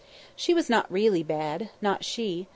She was not really bad, not she!